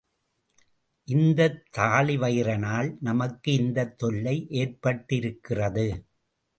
இந்தத் தாழிவயிறனால் நமக்கு இந்தத் தொல்லை ஏற்பட்டிருக்கிறது.